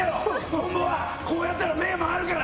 トンボはこうやったら目回るから。